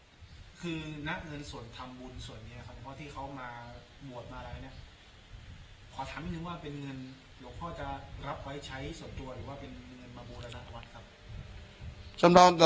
หรือพ่อจะรับไว้ใช้สนทรวยว่าเป็นเงินมาโบราณะวัดครับ